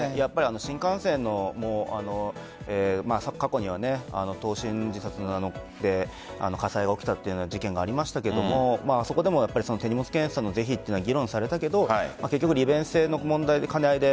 新幹線も過去には投身自殺で火災が起きたという事件もありましたがそこでも手荷物検査の是非は議論されたけど結局、利便性の問題兼ね合いで